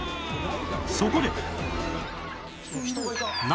そこで